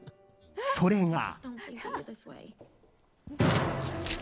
それが。